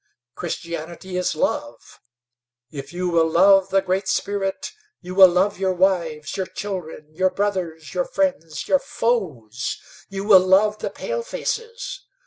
Christianity is love. If you will love the Great Spirit you will love your wives, your children, your brothers, your friends, your foes you will love the palefaces.